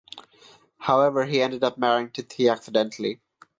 However he ends up marrying Tithi accidentally.